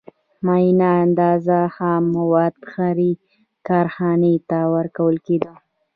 معینه اندازه خام مواد هرې کارخانې ته ورکول کېدل